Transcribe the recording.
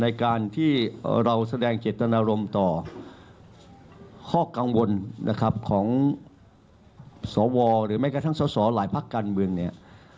ในแนวทางที่ชัดเจนในการที่เราแสดงเจตนารมต่อข้อกังวลนะครับของสวหรือไม่กระทั่งส่อหลายภาคกรรมเมืองเนี่ย